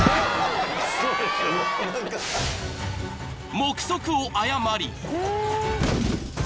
［目測を誤り］